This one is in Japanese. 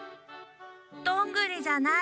どんぐりじゃない！